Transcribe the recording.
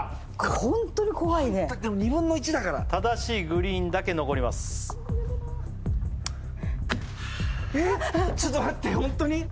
ホントに怖いねでも２分の１だから正しいグリーンだけ残りますハアーッちょっと待ってホントに！？